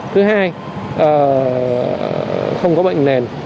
thứ hai không có bệnh nền